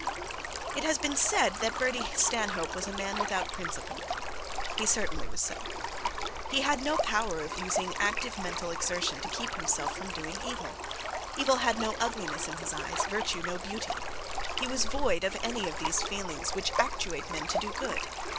It has been said that Bertie Stanhope was a man without principle. He certainly was so. He had no power of using active mental exertion to keep himself from doing evil. Evil had no ugliness in his eyes; virtue no beauty. He was void of any of those feelings which actuate men to do good.